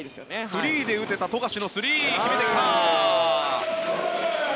フリーで打てた富樫のスリー、決めてきた。